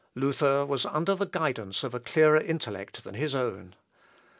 Luther was under the guidance of a clearer intellect than his own.